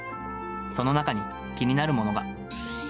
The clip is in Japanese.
その中に、気になるものが。